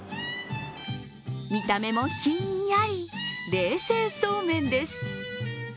見た目もひんやり、冷製そうめんです。